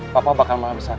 papa bakal malah besar